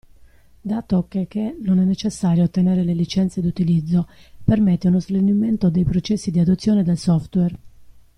Dato cheche non è necessario ottenere le licenze d'utilizzo, permette uno snellimento dei processi di adozione del software.